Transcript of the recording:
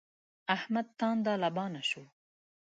احمد تانده لبانه شو.